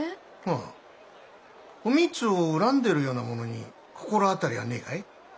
ああお美津を恨んでるような者に心当たりはねえかい？